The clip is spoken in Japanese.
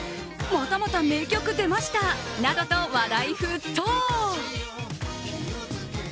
またまた名曲出ましたなどと話題沸騰。